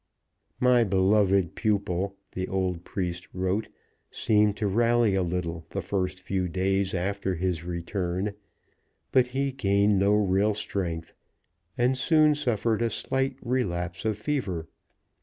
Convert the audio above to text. "My beloved pupil," the old priest wrote, "seemed to rally a little the first few days after his return, but he gained no real strength, and soon suffered a slight relapse of fever.